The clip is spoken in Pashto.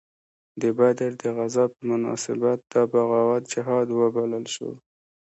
د بدر د غزا په مناسبت دا بغاوت جهاد وبلل شو.